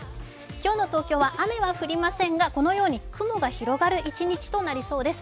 今日の東京は雨は降りませんがこのように雲が広がる一日となりそうです。